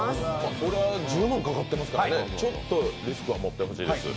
これは１０万かかってますからねちょっとリスクは持ってほしいです。